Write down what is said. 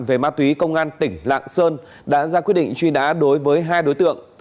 về ma túy công an tỉnh lạng sơn đã ra quyết định truy nã đối với hai đối tượng